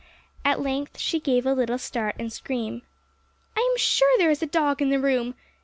At length she gave a little start and scream. 'I am sure there is a dog in the room!'